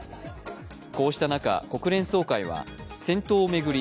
こうした中、国連総会は戦闘を巡り